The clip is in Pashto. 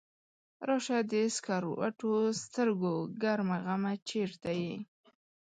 راشه د سکروټو سترګو ګرم غمه چرته یې؟